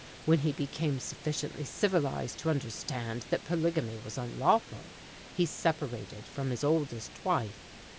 When he became sufficiently civilized to understand that polygamy was unlawful, he separated from his oldest wife.